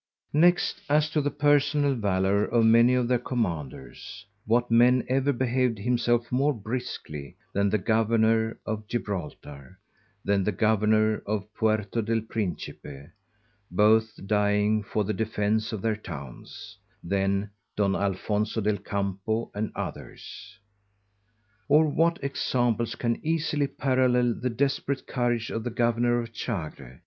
_ _Next, as to the personal Valour of many of their Commanders, What man ever behaved himself more briskly than the Governour of_ Gibraltar, than the Governour of Puerto del Principe, _both dying for the defence of their Towns; than Don Alonso del Campo, and others? Or what examples can easily parallel the desperate courage of the Governour of_ Chagre?